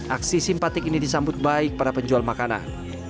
aksi simpatik ini disambut baik para penjual makanan